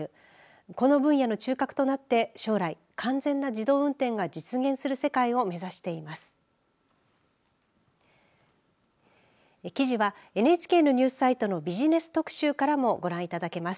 この分野の中核となって、将来完全な自動運転が実現する世界を目指しています。